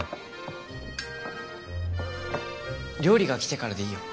料理が来てからでいいよ。